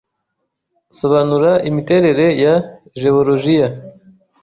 Sobanura imiterere ya geologiya